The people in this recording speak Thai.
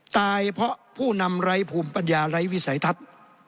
ตายเพราะผู้นำไร้ภูมิปัญญาไร้วิสัยทัศน์